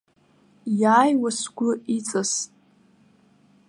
Иааиуа сгәы иҵаст.